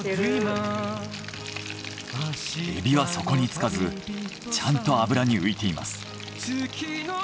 エビは底につかずちゃんと油に浮いています。